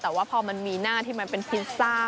แต่ว่าพอมันมีหน้าที่มันเป็นพิซซ่า